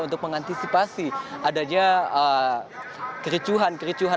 untuk mengantisipasi adanya kericuhan